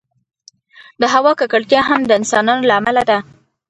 د هوا ککړتیا هم د انسانانو له امله ده.